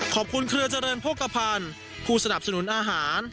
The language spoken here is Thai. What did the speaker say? ขอบคุณเครือเจริญโภคกะพันธ์ผู้สนับสนุนอาหาร